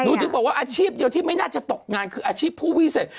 ถึงบอกว่าอาชีพเดียวที่ไม่น่าจะตกงานคืออาชีพผู้วิเศษ